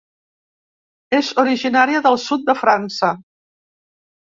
És originària del sud de França.